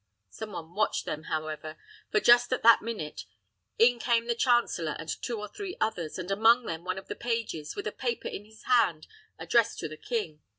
Some one watched them, however; for, just at that minute, in came the chancellor and two or three others, and among them one of the pages, with a paper in his hand addressed to the king.